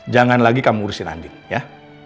jangan lagi kamu urusin landing ya